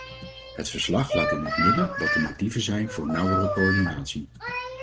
Het verslag laat in het midden wat de motieven zijn voor nauwere coördinatie.